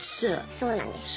そうなんです。